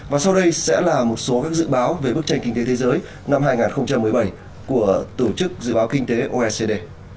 và sau đây sẽ là một số các dự báo về bức tranh kinh tế thế giới năm hai nghìn một mươi bảy của tổ chức dự báo kinh tế oecd